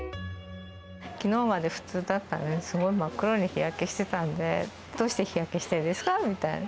きのうまで普通だったのに、すごい真っ黒に日焼けしてたんで、どうして日焼けしてるんですか？